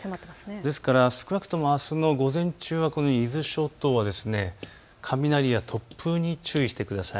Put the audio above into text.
ですから少なくともあすの午前中は伊豆諸島は雷や突風に注意してください。